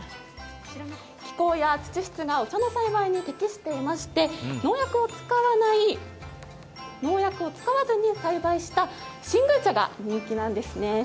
気候や土質がお茶の栽培に適していまして農薬を使わずに栽培した新宮茶が人気なんですね。